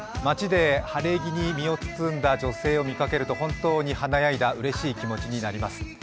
街で晴れ着に身を包んだ女性を見かけると本当に華やいだうれしい気持ちになります。